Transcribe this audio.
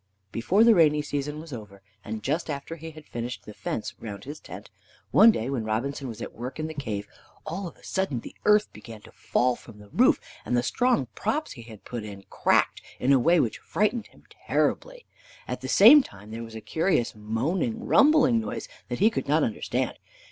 Before the rainy season was over, and just after he had finished the fence round his tent, one day when Robinson was at work in the cave, all of a sudden the earth began to fall from the roof, and the strong props he had put in cracked in a way which frightened him terribly. At the same time there was a curious moaning, rumbling noise, that he could not understand.